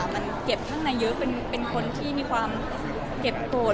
มันเก็บข้างในเยอะเป็นคนที่มีความเก็บโกรธ